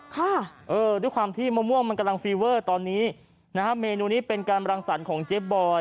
ค่ะเออด้วยความที่มะม่วงมันกำลังฟีเวอร์ตอนนี้นะฮะเมนูนี้เป็นการรังสรรค์ของเจ๊บอย